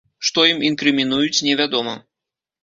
Што ім інкрымінуюць, невядома.